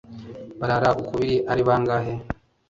Barara k’Uburiri ari bangahe